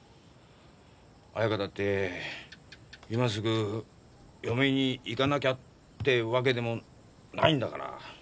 彩佳だって今すぐ嫁に行かなきゃってわけでもないんだから。